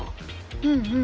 うんうん。